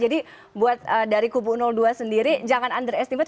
jadi buat dari kubu dua sendiri jangan underestimate